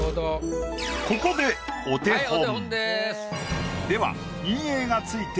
ここでお手本。